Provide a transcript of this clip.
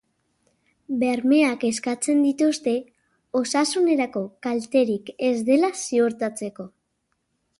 Bermeak eskatzen dituzte, osasunerako kalterik ez dela ziurtatzeko.